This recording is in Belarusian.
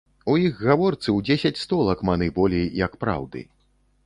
У іх гаворцы ў дзесяць столак маны болей, як праўды.